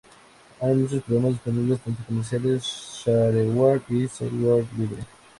Hay muchos programas disponibles, tanto comerciales, shareware o software libre.